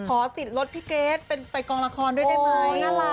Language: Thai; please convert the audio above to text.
ขอติดรถพี่เกรทไปกองละครด้วยได้ไหม